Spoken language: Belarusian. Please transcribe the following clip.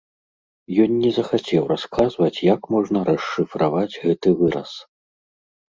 Ён не захацеў расказваць, як можна расшыфраваць гэты выраз.